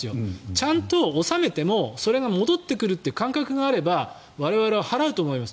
ちゃんと納めてもそれが戻ってくるという感覚があれば我々は払うと思います。